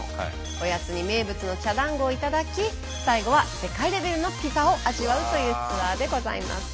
おやつに名物の茶だんごを頂き最後は世界レベルのピザを味わうというツアーでございます。